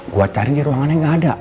gue cari di ruangan yang gak ada